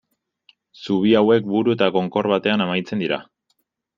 Zubi hauek buru edo konkor batean amaitzen dira.